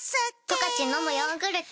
「十勝のむヨーグルト」